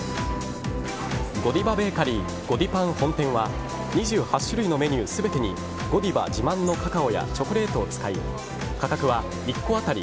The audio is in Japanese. ＧＯＤＩＶＡＢａｋｅｒｙゴディパン本店は２８種類のメニュー全てにゴディバ自慢のカカオやチョコレートを使い価格は１個当たり